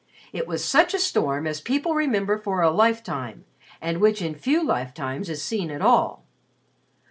It was such a storm as people remember for a lifetime and which in few lifetimes is seen at all.